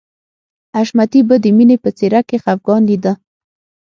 حشمتي به د مینې په څېره کې خفګان لیده